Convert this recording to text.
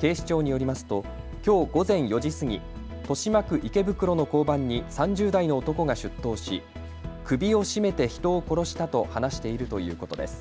警視庁によりますときょう午前４時過ぎ豊島区池袋の交番に３０代の男が出頭し、首を絞めて人を殺したと話しているということです。